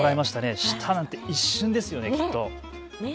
舌なんて一瞬ですよね、きっと。